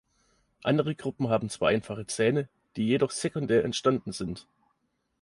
Andere Gruppen haben zwar einfache Zähne, die jedoch sekundär entstanden sind.